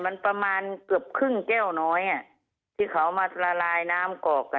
มันประมาณเกือบครึ่งแก้วน้อยอ่ะที่เขามาละลายน้ำกรอกอ่ะ